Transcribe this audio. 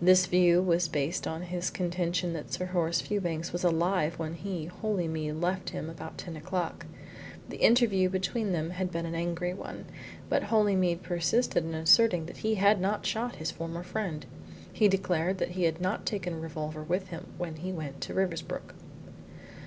This view was based on his contention that Sir Horace Fewbanks was alive when he (Holymead) left him about ten o'clock. The interview between them had been an angry one, but Holymead persisted in asserting that he had not shot his former friend. He declared that he had not taken a revolver with him when he went to Riversbrook.